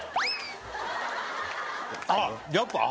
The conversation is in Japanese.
あっ！